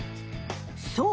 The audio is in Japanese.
そう。